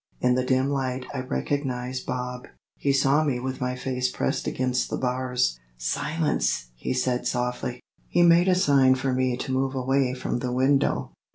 In the dim light I recognized Bob. He saw me with my face pressed against the bars. "Silence!" he said softly. He made a sign for me to move away from the window.